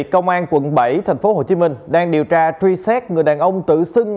công an quận bảy tp hcm đang điều tra truy xét người đàn ông tự xưng